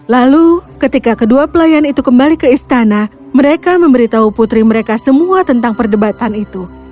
lalu ketika kedua pelayan itu kembali ke istana mereka memberitahu putri mereka semua tentang perdebatan itu